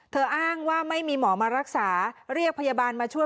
อ้างว่าไม่มีหมอมารักษาเรียกพยาบาลมาช่วย